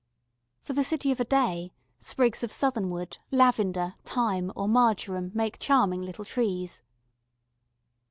For the city of a day sprigs of southernwood, lavender, thyme, or marjoram make charming little trees.